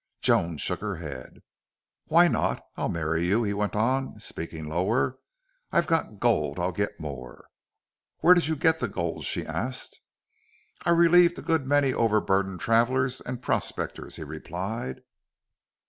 Joan shook her head. "Why not? I'll marry you," he went on, speaking lower. "I've got gold; I'll get more." "Where did you get the gold?" she asked "I've relieved a good many overburdened travelers and prospectors," he replied.